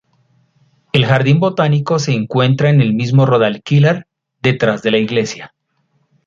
El jardín botánico se encuentra en el mismo Rodalquilar, detrás de la iglesia.